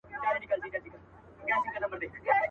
مار هغه دم وو پر پښه باندي چیچلى.